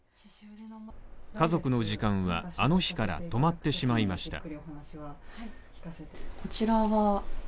家族の時間は、あの日から止まってしまいました。